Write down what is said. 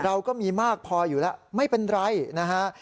เราก็มีมากพออยู่แล้วไม่เป็นไรนะฮะ